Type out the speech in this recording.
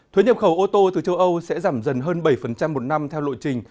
thuế nhập khẩu ô tô từ châu âu sẽ giảm dần hơn bảy một năm theo lộ trình